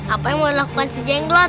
apa yang mau dilakukan si jenggot